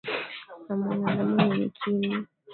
Na mwanadamu mwenye kinywa